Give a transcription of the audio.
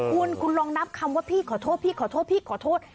คุณคุณลองนับคำว่าพี่ขอโทษ